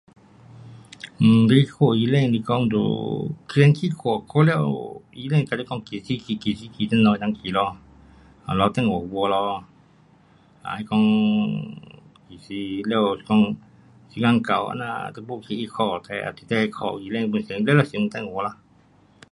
um 你看医生是讲就先去看，看了医生跟你讲几时去几时去，等下能够去咯，了电话给我咯，啊他讲了就是讲这样时间到这样你没去，你打去那，你得打给医生，全部玩电话啦。